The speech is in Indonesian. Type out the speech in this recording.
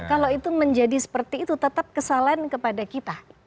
kalau itu menjadi seperti itu tetap kesalahan kepada kita